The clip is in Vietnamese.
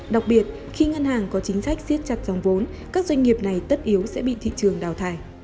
đặc biệt khi ngân hàng có chính sách siết chặt dòng vốn các doanh nghiệp này tất yếu sẽ bị thị trường đào thải